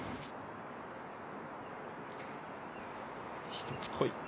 一つ来い。